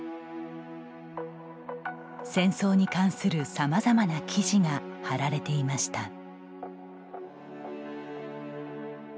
戦争に関するさまざまな記事が貼られていました。